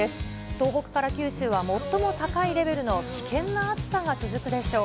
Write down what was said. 東北から九州は最も高いレベルの危険な暑さが続くでしょう。